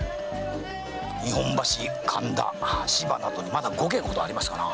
日本橋神田芝などにまだ五軒ほどありますかな。